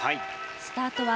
スタートは